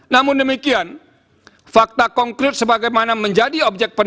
namun demikian fakta konkret sebagaimana menjadi objek peneliti